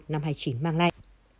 năm hai mươi chín mang lại